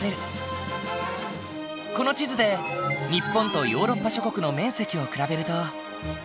この地図で日本とヨーロッパ諸国の面積を比べると。